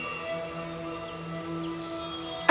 jadi aku akan mencari penjahat denganmu